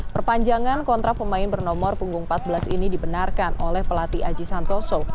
perpanjangan kontrak pemain bernomor punggung empat belas ini dibenarkan oleh pelatih aji santoso